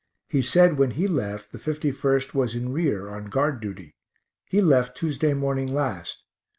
He said when he left the 51st was in rear on guard duty. He left Tuesday morning last.